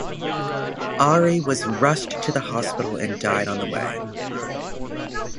Arie was rushed to the hospital and died on the way.